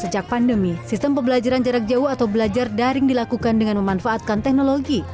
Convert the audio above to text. sejak pandemi sistem pembelajaran jarak jauh atau belajar daring dilakukan dengan memanfaatkan teknologi